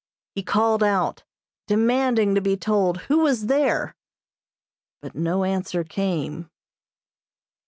He called out, demanding to be told who was there, but no answer came.